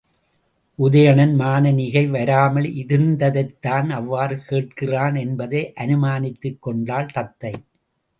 உதயணன், மானனீகை வராமல் இருந்ததைத்தான் அவ்வாறு கேட்கிறான் என்பதை அனுமானித்துக்கொண்டாள் தத்தை.